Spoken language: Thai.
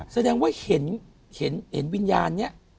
แสดงว่าเห็นวิญญาณนี้